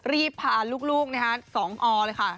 รีบผ่านลูกสองออร์เลยค่ะ